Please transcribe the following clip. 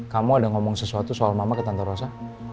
kamu ada ngomong sesuatu soal mama ke tante rosa